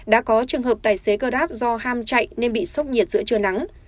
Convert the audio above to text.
đã có trường hợp tài xế grab do ham chạy nên bị sốc nhiệt giữa trưa nắng